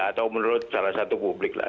atau menurut salah satu publik lah